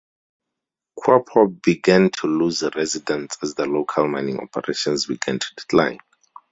Quapaw began to lose residents as the local mining operations began to decline.